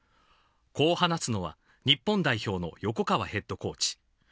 こう話すのは、日本代表の横川ヘッドコーチ。